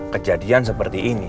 kejadian seperti ini